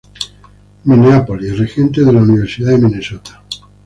Minneapolis: Regentes de la Universidad de Minnesota.